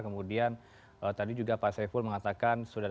kemudian tadi juga pak saiful mengatakan